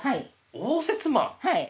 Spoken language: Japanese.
応接間！？